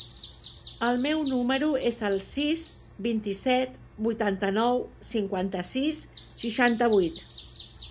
El meu número es el sis, vint-i-set, vuitanta-nou, cinquanta-sis, seixanta-vuit.